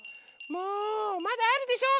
もうまだあるでしょ！